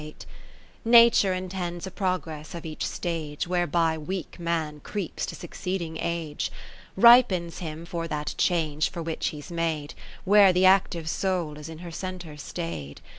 Kath ertne Phi lip i^ Nature intends a progress of each stage Whereby weak man creeps to succeed ing Age, Ripens him for that change for which he 's made, Where th' active soul is in her centre staid.